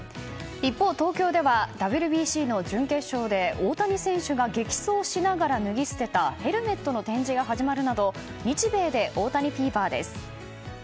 一方、東京ではＷＢＣの準決勝で大谷選手が激走しながら脱ぎ捨てたヘルメットの展示が始まるなど日米で大谷フィーバーです。